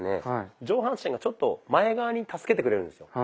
上半身がちょっと前側に助けてくれるんですよ。